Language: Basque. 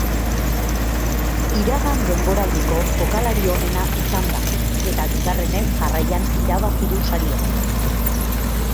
Iragan denboraldiko jokalari onena izan da, eta bigarrenez jarraian irabazi du saria.